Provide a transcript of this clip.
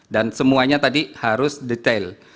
dan semuanya tadi harus detail